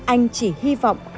anh chỉ hy vọng